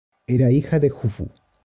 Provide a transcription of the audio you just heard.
Era hija de Jufu.